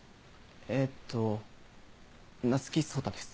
えっと夏木蒼汰です。